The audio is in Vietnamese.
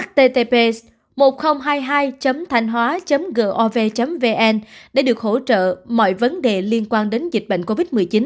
www một nghìn hai mươi hai thanhhoa gov vn để được hỗ trợ mọi vấn đề liên quan đến dịch bệnh covid một mươi chín